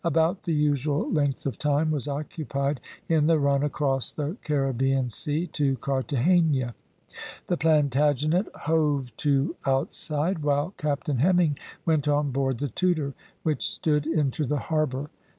About the usual length of time was occupied in the run across the Caribbean Sea to Carthagena. The Plantagenet hove to outside, while Captain Hemming went on board the Tudor, which stood into the harbour.